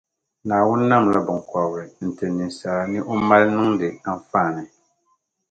Naawuni namla binkɔbiri n-ti ninsala, ni o mali niŋdi anfaani.